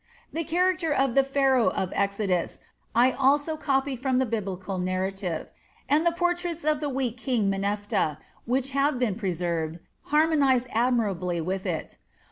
The character of the "Pharaoh of the Exodus" I also copied from the Biblical narrative, and the portraits of the weak King Menephtah, which have been preserved, harmonize admirably with it.